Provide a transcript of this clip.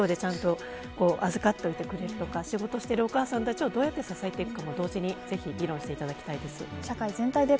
学童でちゃんと預かってくれるとか仕事しているお母さんたちをどうやって支えていくのか議論していただきたいです。